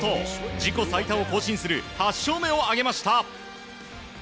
自己最多を更新する８勝目を挙げました。